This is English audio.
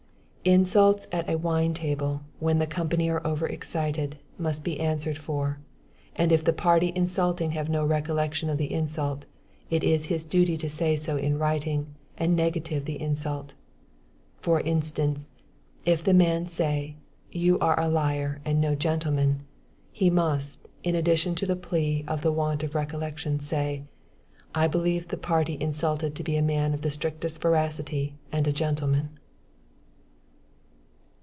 Insults at a wine table, when the company are over excited, must be answered for; and if the party insulting have no recollection of the insult, it is his duty to say so in writing, and negative the insult. For instance, if the man say: "you are a liar and no gentleman," he must, in addition to the plea of the want of recollection, say: "I believe the party insulted to be a man of the strictest veracity and a gentleman."